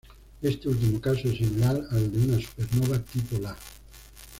Este último caso es similar al de una supernova tipo Ia.